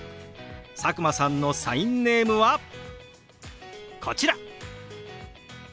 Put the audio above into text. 佐久間さんのサインネームはこちら！